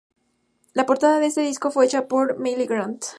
La portada de este disco fue hecha por Melvyn Grant.